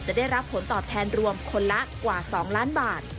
ได้รับผลตอบแทนรวมคนละกว่า๒ล้านบาท